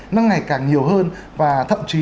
nó ngày càng nhiều hơn và thậm chí